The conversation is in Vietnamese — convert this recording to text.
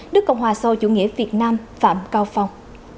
đức cộng hòa so chủ nghĩa việt nam phạm cao phòng